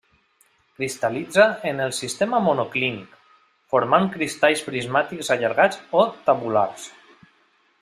Cristal·litza en el sistema monoclínic, formant cristalls prismàtics allargats o tabulars.